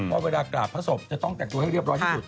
ว่าเวลากราบพระศพจะต้องแต่งตัวให้เรียบร้อยที่สุด